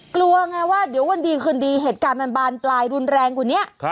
กลัวไงว่าเดี๋ยววันดีคืนดีเหตุการณ์มันบานปลายรุนแรงกว่านี้